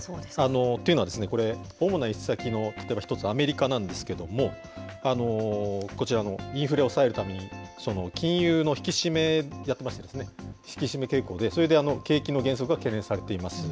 というのはこれ、主な輸出先の例えば一つ、アメリカなんですけれども、こちら、インフレを抑えるために、金融の引き締め、やってましてですね、引き締め傾向で、景気の減速が懸念されています。